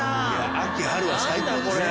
秋春は最強ですね。